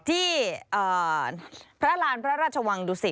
ที่พระราณพระราชวังดุสิต